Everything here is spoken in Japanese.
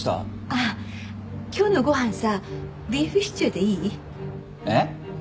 あっ今日のご飯さビーフシチューでいい？えっ？